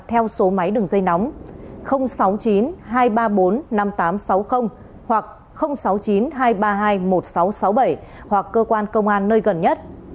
theo số máy đường dây nóng sáu mươi chín hai trăm ba mươi bốn năm nghìn tám trăm sáu mươi hoặc sáu mươi chín hai trăm ba mươi hai một nghìn sáu trăm sáu mươi bảy hoặc cơ quan công an nơi gần nhất